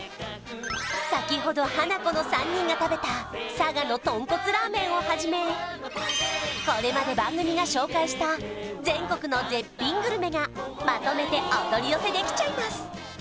先ほどハナコの３人が食べた佐賀の豚骨ラーメンをはじめこれまで番組が紹介した全国の絶品グルメがまとめてお取り寄せできちゃいます